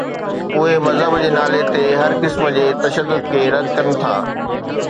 اهي مذهب جي نالي تي هر قسم جي تشدد کي رد ڪن ٿا.